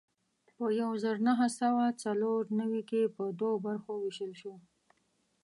په یو زر نهه سوه څلور نوي کې په دوو برخو وېشل شو.